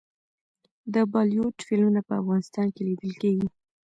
د بالیووډ فلمونه په افغانستان کې لیدل کیږي.